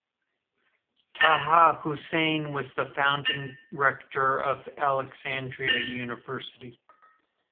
Taha Hussein was the founding rector of Alexandria University.